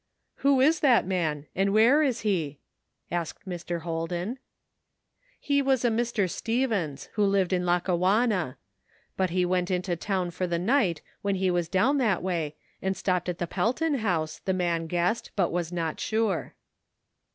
" Who is that man, and where is he?" asked Mr. Holden. " He was a Mr. Stevens, who lived in Lacka wanna; but he went into town for the night when he was down that way and stopped at the Pelton House, the man guessed, but was not sure."